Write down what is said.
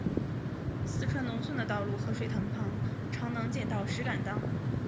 四川农村的道路和水塘旁常能见到石敢当。